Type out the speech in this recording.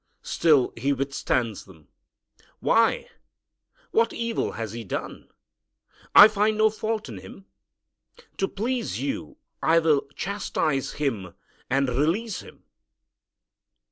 Still he withstands them. "Why? What evil has He done? I find no fault in Him. To please you I will chastise Him and release Him."